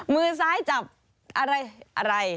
มือซ้ายจับอะไร